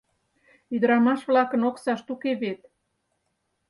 — Ӱдырамаш-влакын оксашт уке вет.